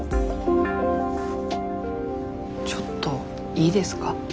ちょっといいですか？